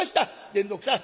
善六さん